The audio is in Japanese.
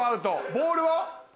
ボールは？